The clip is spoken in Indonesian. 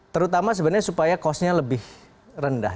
terutama sebenarnya supaya costnya lebih rendah